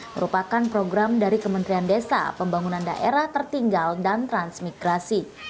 merupakan program dari kementerian desa pembangunan daerah tertinggal dan transmigrasi